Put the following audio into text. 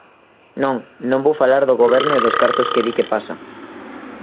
Non, non, vou falar do seu Goberno e dos cartos que di que pasa.